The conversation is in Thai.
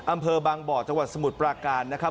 อำเภอบางบ่อจังหวัดสมุทรปราการนะครับ